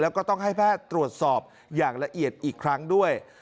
แล้วก็ต้องให้แพทย์ตรวจสอบอย่างละเอียดอีกครั้งด้วย